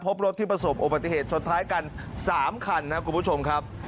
พบรถที่ผสมโอปฏิเหตุชนท้ายกัน๓คันครับคุณผู้ชมครับ